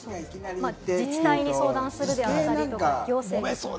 自治体に相談するであったり、行政だったり。